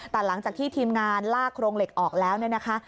แต่หลังจากที่ทีมงานลากโครงเหล็กออกแล้วเนี่ยนะคะ